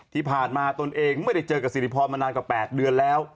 ที่ผ่านมาตนเองไม่ได้เจอกับสิริพรมานานกว่า๘เดือนแล้ว